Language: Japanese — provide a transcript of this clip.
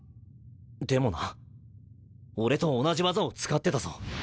でもな俺と同じ技を使ってたぞ。